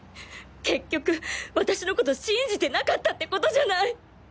結局私のこと信じてなかったってことじゃない！